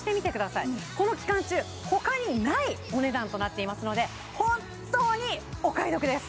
さいこの期間中ほかにないお値段となっていますのでホントにお買い得です